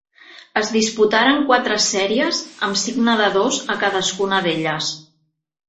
Es disputaren quatre sèries amb cinc nedadors a cadascuna d'elles.